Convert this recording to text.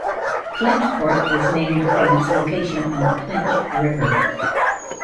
Clinchport was named from its location on the Clinch River.